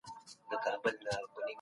چي کوم ساعت ستا له نظره و ووت